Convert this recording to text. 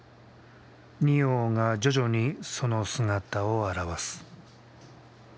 仁王が徐々にその姿を現す。